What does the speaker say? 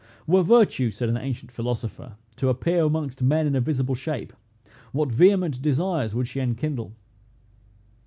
"Were virtue," said an ancient philosopher, "to appear amongst men in a visible shape, what vehement desires would she enkindle!"